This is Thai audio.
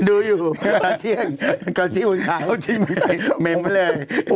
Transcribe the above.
ดูอยู่ตอนเที่ยงไว้เม็ดไม่ได้